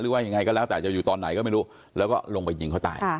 ว่ายังไงก็แล้วแต่จะอยู่ตอนไหนก็ไม่รู้แล้วก็ลงไปยิงเขาตาย